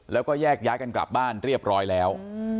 แล้วก็แยกย้ายกันกลับบ้านเรียบร้อยแล้ว